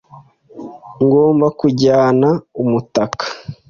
Ngomba kujyana umutaka.